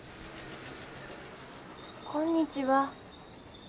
こんにちは。